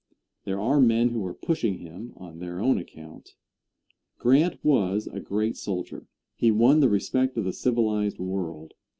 There are men who are pushing him on their own account. Grant was a great soldier. He won the respect of the civilized world.